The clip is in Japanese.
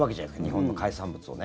日本の海産物を。